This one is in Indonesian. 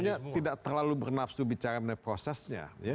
artinya tidak terlalu bernafsu bicara mengenai prosesnya